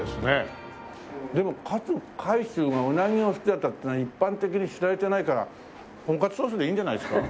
でも勝海舟がうなぎが好きだったっていうのは一般的に知られてないからトンカツソースでいいんじゃないですか？